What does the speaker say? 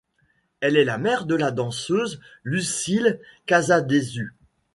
Elle est la mère de la danseuse Lucile Casadesus.